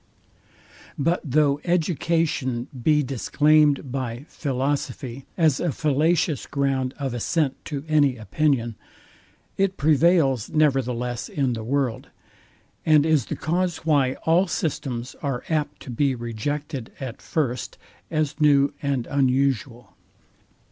But though education be disclaimed by philosophy, as a fallacious ground of assent to any opinion, it prevails nevertheless in the world, and is the cause why all systems are apt to be rejected at first as new and unusual.